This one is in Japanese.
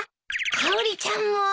かおりちゃんも！？